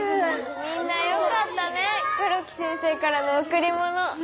みんなよかったね黒木先生からの贈り物。